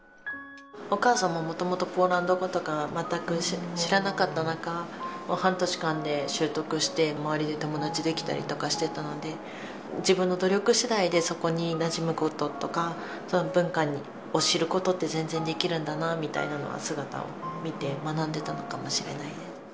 お母さんももともとポーランド語とか全く知らなかったなか半年間で習得して周りで友達できたりとかしてたので自分の努力次第でそこになじむこととか文化を知ることって全然できるんだなみたいなのは姿を見て学んでたのかもしれないです。